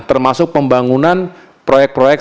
termasuk pembangunan proyek proyek